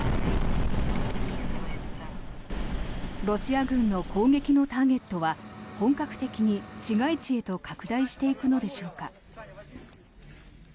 ロシア軍の攻撃のターゲットは本格的に市街地へと拡大していくのでしょうか。